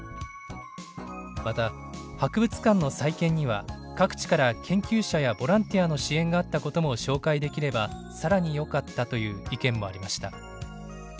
また「博物館の再建には各地から研究者やボランティアの支援があったことも紹介できれば更によかった」という意見もありました。